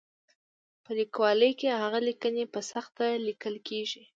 په لیکوالۍ کې هغه لیکنې په سخته لیکل کېږي.